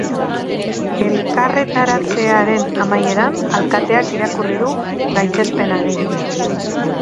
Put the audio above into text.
Elkarretaratzearen amaieran alkateak irakurri du gaitzespen agiria.